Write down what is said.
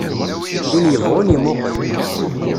Win yebɣun imuqel.